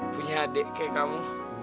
punya adik kayak kamu